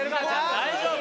大丈夫？